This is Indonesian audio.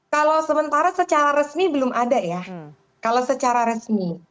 kalau sementara secara resmi belum ada ya kalau secara resmi